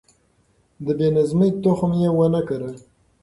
د بې نظمۍ تخم يې ونه کره.